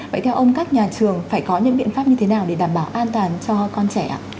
vậy theo ông các nhà trường phải có những biện pháp như thế nào để đảm bảo an toàn cho con trẻ ạ